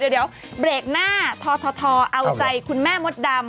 ชุมหน้าท้อเอาใจคุณแม่มดดำ